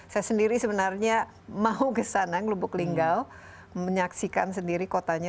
saya sendiri sebenarnya mau ke sana ngelubuk linggau menyaksikan sendiri kotanya